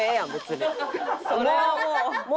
それはもう。